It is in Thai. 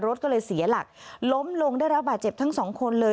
รถก็เลยเสียหลักล้มลงได้รับบาดเจ็บทั้งสองคนเลย